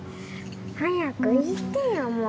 早く行ってよもう。